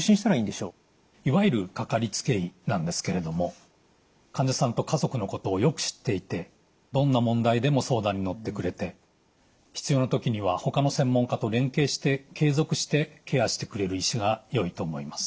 いわゆるかかりつけ医なんですけれども患者さんと家族のことをよく知っていてどんな問題でも相談に乗ってくれて必要な時にはほかの専門科と連携して継続してケアしてくれる医師がよいと思います。